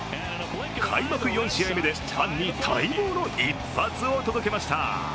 開幕４試合目でファンに待望の一発を届けました。